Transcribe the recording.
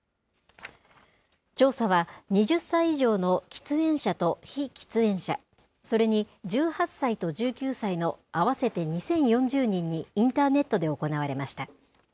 調査は、２０歳以上の喫煙者と非喫煙者、それに１８歳と１９歳の合わせて２０４０人にインターネットで行われました。